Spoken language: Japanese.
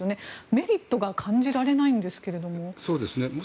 メリットが感じられないんですけれども。